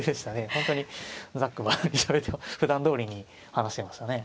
本当にざっくばらんにしゃべってふだんどおりに話してましたね。